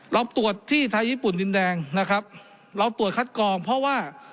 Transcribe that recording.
เราตรวจที่ไทยญี่ปุ่นดินแดงนะครับเราตรวจคัดกรองเพราะว่า